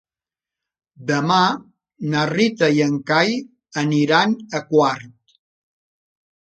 Demà na Rita i en Cai aniran a Quart.